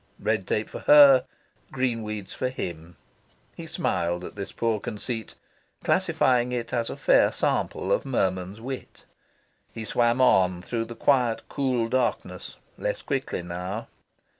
Red tape for her, green weeds for him he smiled at this poor conceit, classifying it as a fair sample of merman's wit. He swam on through the quiet cool darkness, less quickly now.